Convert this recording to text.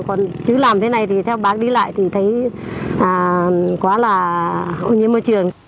còn chứ làm thế này thì theo bác đi lại thì thấy quá là ô nhiễm môi trường